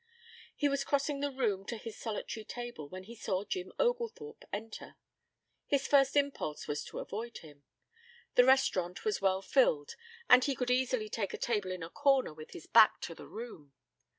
He was crossing the room to his solitary table when he saw Jim Oglethorpe enter. His first impulse was to avoid him. The restaurant was well filled and he could easily take a table in a corner with his back to the room.